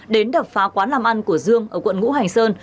đến đập phá quán làm ăn của dương ở quận ngũ hành sơn